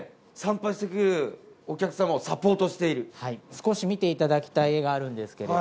少し見ていただきたい絵があるんですけれども。